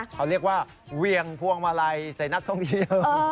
เขาเรียกว่าเวียงพวงมาลัยใส่นักท่องเที่ยว